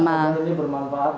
semoga ini bermanfaat